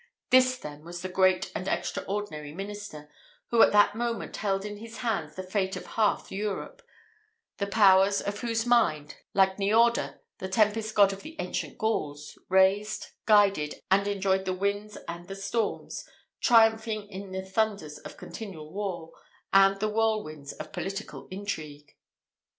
This, then, was the great and extraordinary minister, who at that moment held in his hands the fate of half Europe; the powers of whose mind, like Niorder, the tempest god of the ancient Gauls, raised, guided, and enjoyed the winds and the storms, triumphing in the thunders of continual war, and the whirlwinds of political intrigue.